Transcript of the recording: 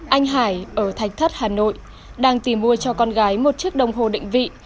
anh hải ở thạch thất hà nội đang tìm mua cho con gái một chiếc đồng hồ định vị